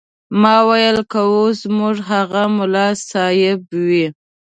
ما ویل که اوس زموږ هغه ملا صیب وي.